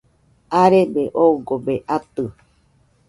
arebe oogobe atɨ